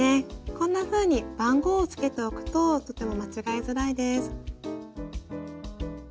こんなふうに番号をつけておくととても間違えづらいです。